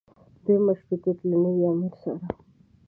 دویم مشروطیت له نوي امیر سره.